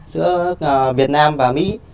giữa việt nam và mỹ